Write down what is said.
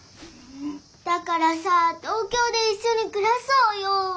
だからさ東京でいっしょにくらそうよ。